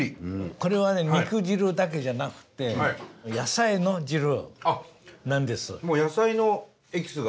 これはね肉汁だけじゃなくてもう野菜のエキスが。